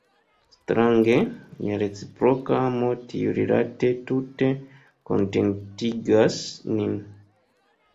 Strange, nia reciproka amo tiurilate tute kontentigas nin.